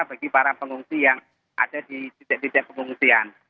bagi para pengungsi yang ada di titik titik pengungsian